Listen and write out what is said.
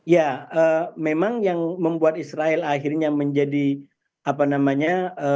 ya memang yang membuat israel akhirnya menjadi apa namanya